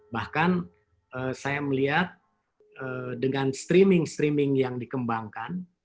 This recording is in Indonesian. bahkan saya melihat dengan streaming streaming yang dikembangkan